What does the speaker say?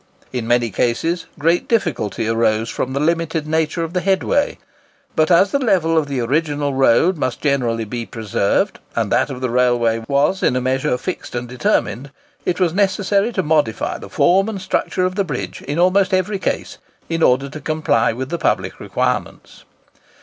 In many cases great difficulty arose from the limited nature of the headway; but, as the level of the original road must generally be preserved, and that of the railway was in a measure fixed and determined, it was necessary to modify the form and structure of the bridge, in almost every case, in order to comply with the public requirements.